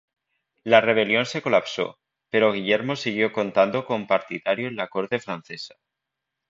La rebelión se colapsó, pero Guillermo siguió contando con partidario en la corte francesa.